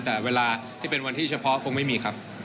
แต่เวลาที่เป็นวันที่เฉพาะคงไม่มีครับ